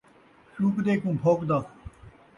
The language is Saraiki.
شوکدے کوں بھوکدا